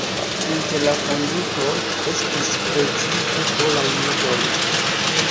Inter la fondintoj estis precipe polaj judoj.